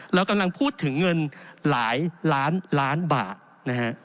เรากำลังพูดถึงเงินหลายล้านล้านบาทนะฮะ